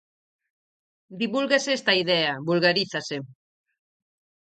Divúlgase esta idea, vulgarízase.